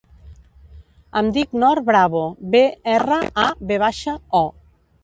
Em dic Nor Bravo: be, erra, a, ve baixa, o.